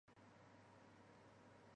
采收时间因品种和种植地点而异。